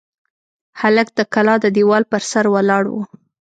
هلک د کلا د دېوال پر سر ولاړ و.